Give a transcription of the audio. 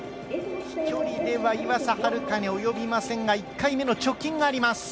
飛距離では岩佐明香には及びませんが、１回目の貯金があります。